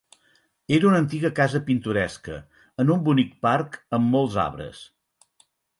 Era una antiga casa pintoresca en un bonic parc amb molts arbres.